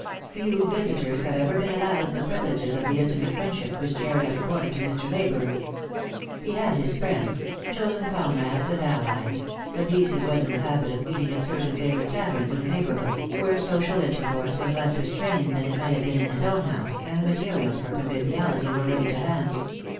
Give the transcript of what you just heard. Few visitors had ever been allowed the privileges of intimate friendship which Jarred had accorded to Mr. Leyburne. He had his friends — chosen comrades and allies — but these he was in the habit of meeting at certain favourite taverns in the neighbour hood, where social intercourse was less restrained than it might have been in his own house, and the materials for conviviality were ready to hand.